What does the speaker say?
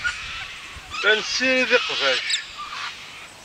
La nessirid iqbac.